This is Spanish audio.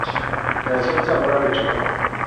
Nació en Zamora, Michoacán.